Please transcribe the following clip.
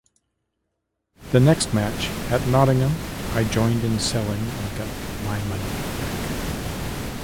The next match, at Nottingham, I joined in selling, and got my money back.